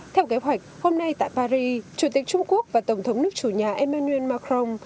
theo kế hoạch hôm nay tại paris chủ tịch trung quốc và tổng thống nước chủ nhà emmanuel macron